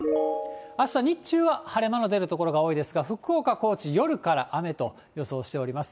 あした日中は晴れ間の出る所が多いですが、福岡、高知、夜から雨と予想しております。